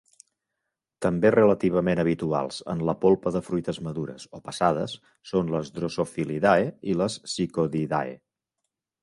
També relativament habituals en la polpa de fruites madures o passades són les Drosophilidae i les Psychodidae.